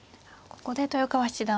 ここで豊川七段